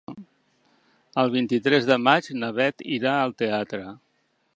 El vint-i-tres de maig na Bet irà al teatre.